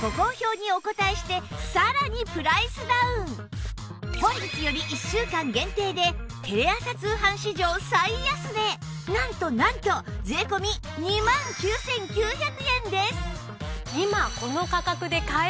今回は本日より１週間限定でテレ朝通販史上最安値なんとなんと税込２万９９００円です！